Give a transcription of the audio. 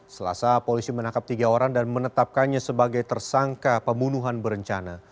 selasa polisi menangkap tiga orang dan menetapkannya sebagai tersangka pembunuhan berencana